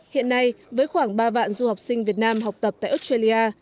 hiện nay với khoảng ba vạn du học sinh việt nam học tập tại australia